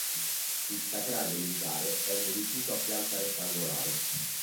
Il sacrario militare è un edificio a pianta rettangolare.